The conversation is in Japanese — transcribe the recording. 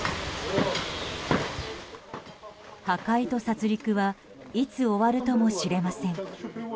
破壊と殺戮はいつ終わるともしれません。